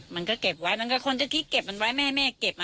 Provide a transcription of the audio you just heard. มันก็เก็บไว้มันก็คนจะคิดเก็บมันไว้ไม่ให้แม่เก็บ